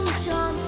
bước giữa năm tràn